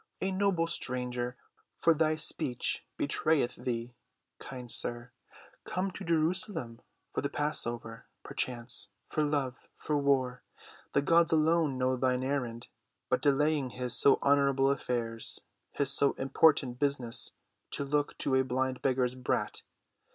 "A noble stranger—for thy speech betrayeth thee, kind sir—come to Jerusalem for the passover, perchance, for love, for war—the gods alone know thine errand—but delaying his so honorable affairs, his so important business, to look to a blind beggar's brat.